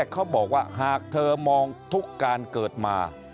เขาบอกว่าหากเธอมองทุกการเกิดมา